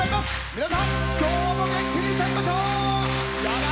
皆さん今日も元気に歌いましょう！